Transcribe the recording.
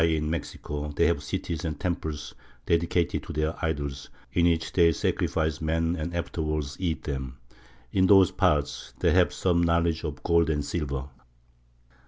_, in Mexico] they have cities and temples dedicated to their idols, in which they sacrifice men and afterwards eat them. In those parts they have some knowledge of gold and silver.